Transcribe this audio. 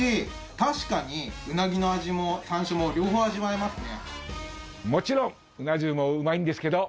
確かにウナギの味も山椒も両方味わえますね。